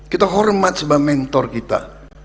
kita hormat sebab mentor kita